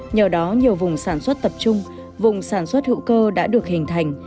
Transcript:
nhờ đó nhiều vùng sản xuất tập trung vùng sản xuất hữu cơ đã được hình thành